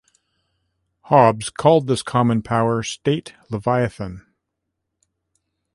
Hobbes called this common power, state, Leviathan.